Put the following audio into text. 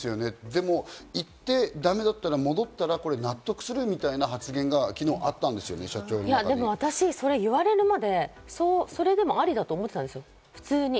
でも行ってだめだったら、戻ったら、納得するみたいな発言が昨日私、それ言われるまで、それでもアリだと思ったんですよ、普通に。